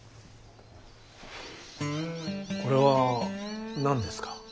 これは何ですか？